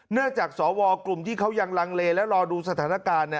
จากสวกลุ่มที่เขายังลังเลและรอดูสถานการณ์